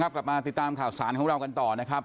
กลับมาติดตามข่าวสารของเรากันต่อนะครับ